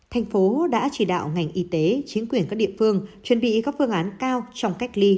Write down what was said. thành phố đã chỉ đạo ngành y tế chính quyền các địa phương chuẩn bị các phương án cao trong cách ly